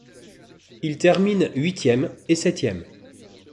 Il termine huitième et septième.